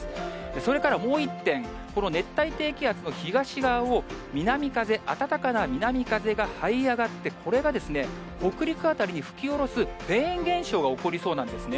それからもう一点、この熱帯低気圧の東側を南風、暖かな南風がはい上がって、これが北陸辺りに吹き降ろすフェーン現象が起こりそうなんですね。